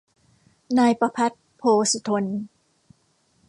นายประภัตร โพธสุธน